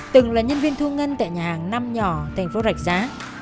từng là nhân viên thu ngân tại nhà hàng năm nhỏ tp rạch giá